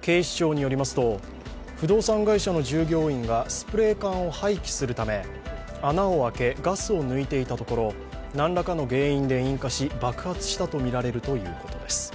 警視庁によりますと不動産会社の従業員がスプレー缶を廃棄するため穴を開け、ガスを抜いていたところ何らかの原因で引火し、爆発したとみられるということです。